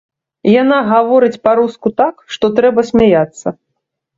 Яна гаворыць па-руску так, што трэба смяяцца.